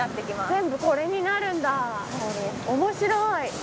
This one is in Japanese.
全部これになるんだ、面白い。